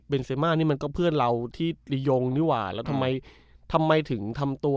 เป็นเซมานี่มันก็เพื่อนเราที่ริยงนี่หว่าแล้วทำไมทำไมถึงทำตัว